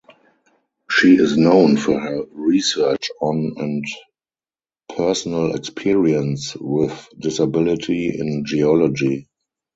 She is known for her research on and personal experience with disability in geology.